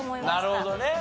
なるほどね。